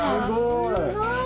すごい！